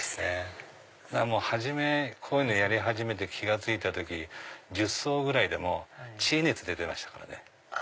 初めこういうのやり始めて気が付いた時１０層ぐらいで知恵熱出てましたからね。